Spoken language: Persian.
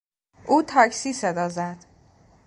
او تاکسی صدا زد.